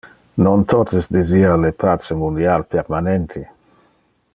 Nos totes desira le pace mundial permanente.